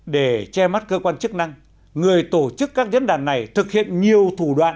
để che mắt cơ quan chức năng người tổ chức các diễn đàn này thực hiện nhiều thủ đoạn